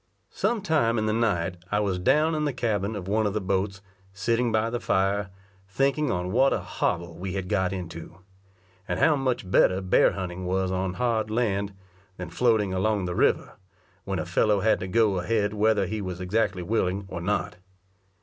Some time in the night I was down in the cabin of one of the boats, sitting by the fire, thinking on what a hobble we had got into; and how much better bear hunting was on hard land, than floating along on the water, when a fellow had to go ahead whether he was exactly willing or not.